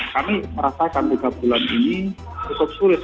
kami merasakan tiga bulan ini cukup sulit